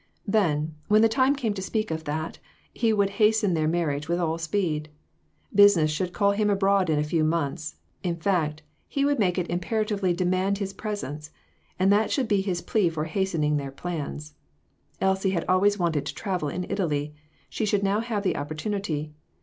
Then, when the time came to speak of that, he would hasten their marriage with all speed. Business should call him abroad in a few months ; in fact, he would make it imperatively demand his presence ; and that should be his plea for hasten ing their plans. Elsie had always wanted to travel in Italy ; she should now have the oppor tunity.